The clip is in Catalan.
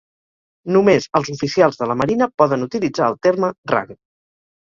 Només els oficials de la Marina poden utilitzar el terme "rang".